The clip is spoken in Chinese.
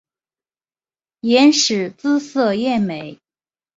阎氏姿色艳美。